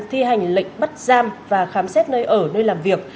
thi hành lệnh bắt giam và khám xét nơi ở nơi làm việc